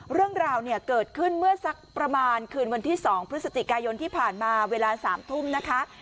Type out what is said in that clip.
เรื่องราวเนี่ยเกิดขึ้นเมื่อสักประมาณคืนวันที่๒พฤศจิกายนที่ผ่านมาเวลา๓ทุ่มนะคะ